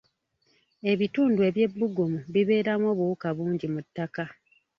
Ebitundu eby'ebbugumu bibeeramu obuwuka bungi mu ttaka